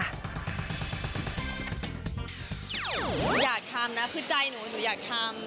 อยากทำนะคือใจหนูหนูอยากทำ